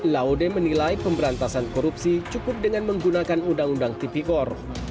laude menilai pemberantasan korupsi cukup dengan menggunakan undang undang tipikor